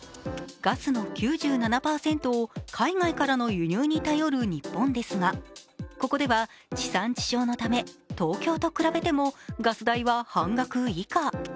ガスの９７％を海外からの輸入に頼る日本ですがここでは地産地消のため東京と比べてもガス代は半額以下。